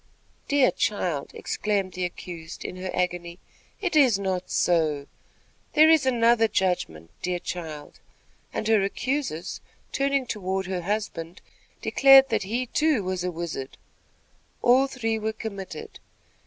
"Dear child!" exclaimed the accused, in her agony, "it is not so. There is another judgment, dear child," and her accusers, turning toward her husband, declared that he, too, was a wizard. All three were committed.